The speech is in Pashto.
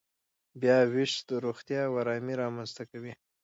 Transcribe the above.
بیاوېش روغتیا او ارامي رامنځته کوي.